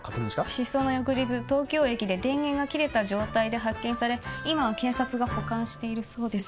失踪の翌日東京駅で電源が切れた状態で発見され今は警察が保管しているそうです